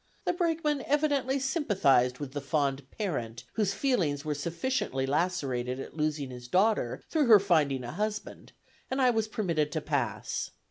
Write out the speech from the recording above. The brakeman evidently sympathized with the fond "parient" whose feelings were sufficiently lacerated at losing his daughter through her finding a husband, and I was permitted to pass.